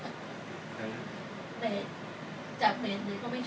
จากเม็ดนี้ก็ไม่ใช่